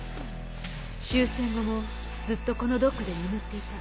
終戦後もずっとこのドックで眠っていた。